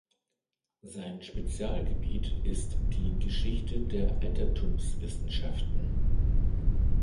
Sein Spezialgebiet ist die Geschichte der Altertumswissenschaften.